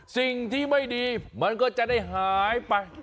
สิ่งที่ไม่ดีมันก็จะได้หายไป